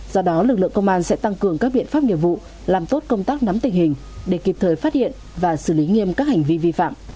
do đó lực lượng công an sẽ tăng cường các biện pháp nghiệp vụ làm tốt công tác nắm tình hình để kịp thời phát hiện và xử lý nghiêm các hành vi vi phạm